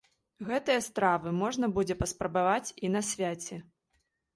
Гэтыя стравы можна будзе паспрабаваць і на свяце.